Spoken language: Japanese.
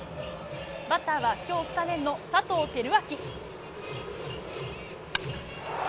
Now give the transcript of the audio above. バッターは今日スタメンの佐藤輝明。